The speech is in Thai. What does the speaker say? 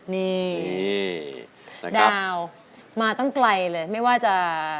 นี่นี่นะครับดาวมาตั้งไกลเลยไม่ว่าจะ